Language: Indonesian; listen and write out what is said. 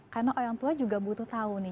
karena orang tua juga butuh tahu nih